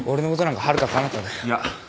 いや。